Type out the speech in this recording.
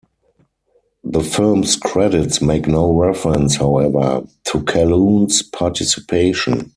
The film's credits make no reference, however, to Calhoun's participation.